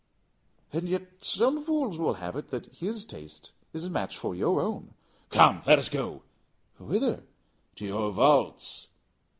"And yet some fools will have it that his taste is a match for your own." "Come, let us go." "Whither?" "To your vaults."